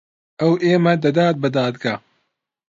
ئەو ئێمە دەدات بە دادگا.